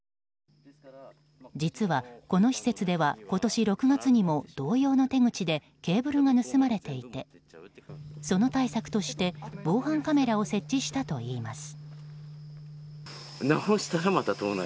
実は、この施設では今年６月にも同様の手口でケーブルが盗まれていてその対策として防犯カメラを設置したといいます。